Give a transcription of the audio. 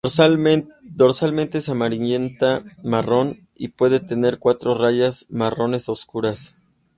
Dorsalmente, es amarillenta-marrón y puede tener cuatro rayas marrones oscuras.